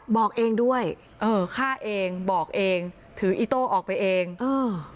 บอกเองด้วยเออฆ่าเองบอกเองถืออีโต้ออกไปเองอ่า